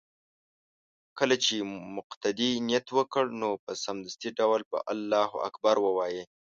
كله چې مقتدي نيت وكړ نو په سمدستي ډول به الله اكبر ووايي